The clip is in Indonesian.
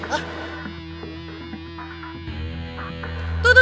siapa sih yang mancem mancem lu orang